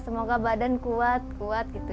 semoga badan kuat kuat gitu